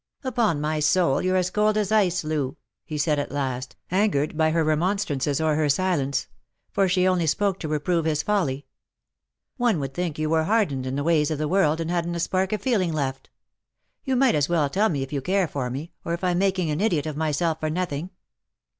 " Upon my soul, you're as cold as ice, Loo," he said at last, angered by her remonstrances or her silence ; for she only spoke to reprove his folly. " One would think you were hardened in the ways of the world, and hadn't a spark of feeling left._ You might as well tell me if you care for me, or if I'm making an idiot of myself for nothing."